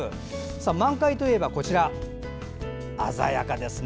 満開といえば、鮮やかですね。